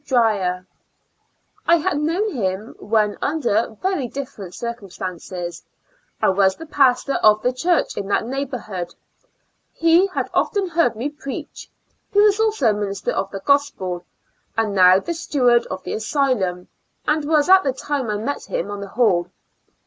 Drier J' I had known him when under very dif ferent circumstances — I was the pastor of the church in that neighborhood^ he had often heard me preach, he was also a Min 144 ^^^^ Years and Four Months ister of the gospel, and now the steward of the asylum, and was at the time I met him on the hall.